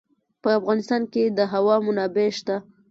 په افغانستان کې د هوا منابع شته.